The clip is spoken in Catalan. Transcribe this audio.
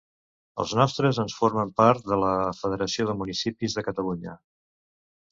Els nostres ens formen part de la Federació de Municipis de Catalunya.